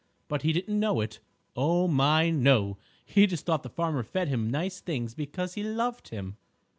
But he didn't know it. Oh, my no! He just thought the farmer fed him nice things because he loved him.